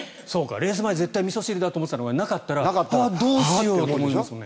レース前に絶対にみそ汁だと思っていたらなかったら、どうしようって思いますもんね。